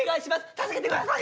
助けてください。